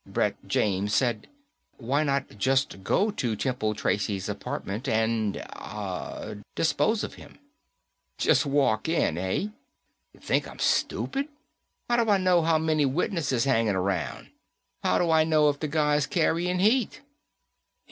Brett James said, "Why not just go to Temple Tracy's apartment and, ah, dispose of him?" "Jest walk in, eh? You think I'm stupid? How do I know how many witnesses hangin' around? How do I know if the guy's carryin' heat?"